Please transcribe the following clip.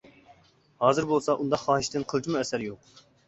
ھازىر بولسا ئۇنداق خاھىشتىن قىلچىمۇ ئەسەر يوق.